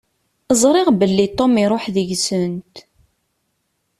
Ẓriɣ belli Tom iruḥ deg-sent.